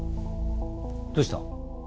どうした？